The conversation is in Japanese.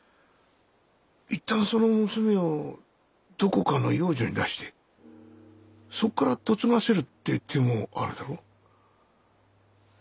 一旦その娘をどこかの養女に出してそっから嫁がせるって手もあるだろ？